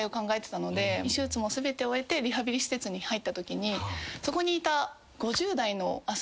手術も全て終えてリハビリ施設に入ったときにそこにいた。